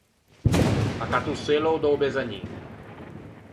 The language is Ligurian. Accatto o sellao da-o besagnin.